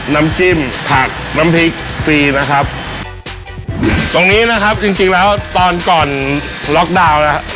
น้ำจิ้มผักน้ำพริกฟรีนะครับตรงนี้นะครับจริงจริงแล้วตอนก่อนล็อกดาวน์นะครับ